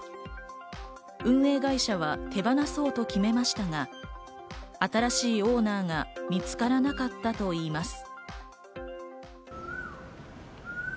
運営会社は手放そうと決めましたが、新しいオーナーが見つからなかったといいます。